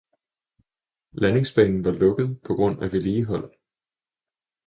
Landingsbanen var lukket på grund af vedligehold.